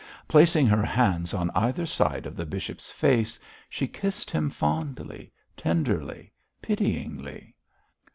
Placing her hands on either side of the bishop's face, she kissed him fondly, tenderly, pityingly.